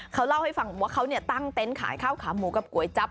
เขาเล่าให้ฟังว่าเขาตั้งเต็นต์ขายข้าวขาหมูกับก๋วยจับ